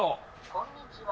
こんにちは。